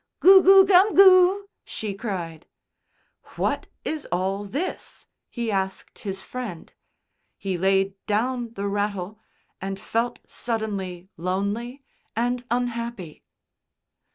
"Goo goo gum goo," she cried. "What is all this?" he asked his Friend. He laid down the rattle, and felt suddenly lonely and unhappy.